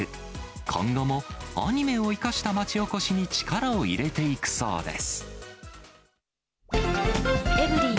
今後もアニメを生かした町おこしに力を入れていくそうです。